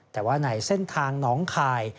แต่ว่าในเส้นทางน้องคาย